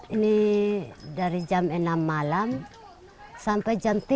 ini dari jam enam malam sampai jam tiga